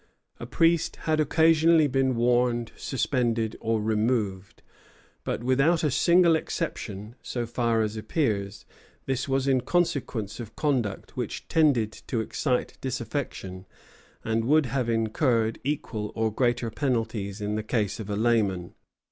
A priest had occasionally been warned, suspended, or removed; but without a single exception, so far as appears, this was in consequence of conduct which tended to excite disaffection, and which would have incurred equal or greater penalties in the case of a layman.